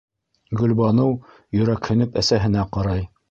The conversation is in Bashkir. - Гөлбаныу йөрәкһенеп әсәһенә ҡарай.